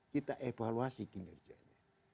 kita evaluasi kinerjanya